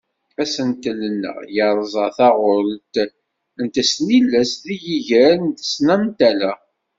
Asentel-nneɣ yerza taɣult n tesnilest deg yiger n tesnantala.